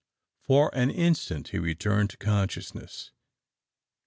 For an instant he returned to consciousness.